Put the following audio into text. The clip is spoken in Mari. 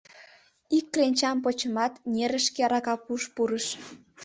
Ик кленчам почымат, нерышке арака пуш пурыш.